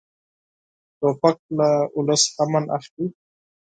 توپک له ولس امن اخلي.